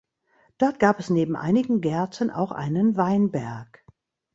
Dort gab es neben einigen Gärten auch einen Weinberg.